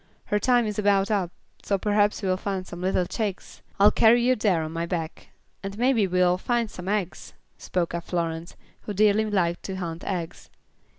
Her time is about up, so perhaps we'll find some little chicks. I'll carry you there on my back." "And maybe we'll find some eggs," spoke up Florence, who dearly liked to hunt eggs.